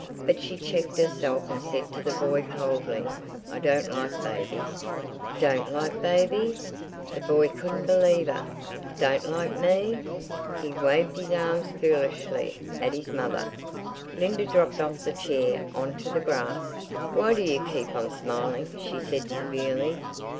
But she checked herself and said to the boy coldly, "I don't like babies." "Don't like babies?" The boy couldn't believe her. "Don't like me?" He waved his arms foolishly at his mother. Linda dropped off her chair on to the grass. "Why do you keep on smiling?" she said severely.